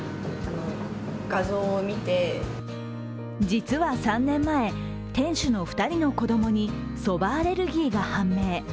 実は３年前、店主の２人の子供にそばアレルギーが判明。